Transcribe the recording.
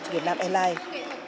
việt nam airlines